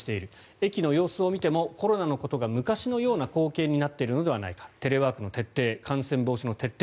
駅の様子を見てもコロナのことが昔のような光景になっているのではないかテレワークの徹底感染防止の徹底